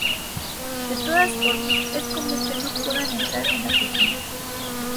De todas formas, es común que no puedan entrar en la cocina.